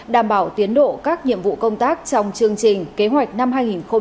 đảm bảo tiến độ các nhiệm vụ công tác trong chương trình kế hoạch năm hai nghìn hai mươi